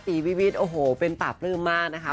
ตีวิวิทย์โอ้โหเป็นตาปลื้มมากนะคะ